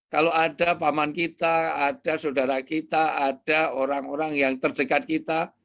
kalau ada paman kita ada saudara kita ada orang orang yang terdekat kita